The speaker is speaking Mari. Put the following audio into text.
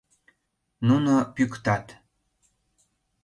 Нуно пӱктат.